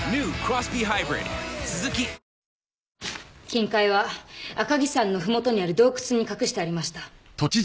金塊は赤城山の麓にある洞窟に隠してありました。